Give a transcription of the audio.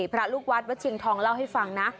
พระลูกวัดวัดเชียงทองเล่าให้ฟังนะ